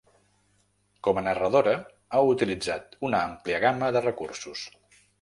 Com a narradora ha utilitzat una àmplia gamma de recursos.